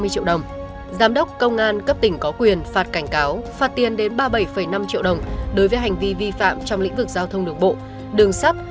cấp xã trường đồn công an trường trạm công an cửa khẩu khu chế xuất tiểu đoàn trường tiểu đoàn cảnh sát cơ động có quyền phạt cảnh cáo phạt tiền đến ba năm triệu đồng đối với hành vi vi phạm trong lĩnh vực giao thông đường bộ đường sắt